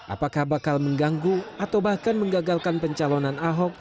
apakah bakal mengganggu atau bahkan menggagalkan pencalonan ahok